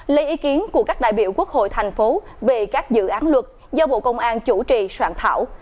lấy ý kiến của các đại biểu quốc hội thành phố về các dự án luật do bộ công an chủ trì soạn thảo